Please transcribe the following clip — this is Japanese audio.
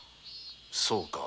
そうか。